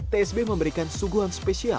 tsb memberikan suguhan sepenuhnya